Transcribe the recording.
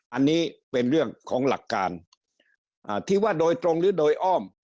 อันนี้เป็นเรื่องของหลักการที่ว่าโดยตรงหรือโดยอ้อม